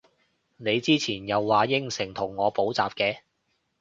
你之前又話應承同我補習嘅？